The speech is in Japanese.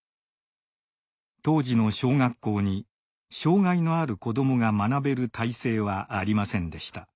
当時の小学校に障害のある子どもが学べる体制はありませんでした。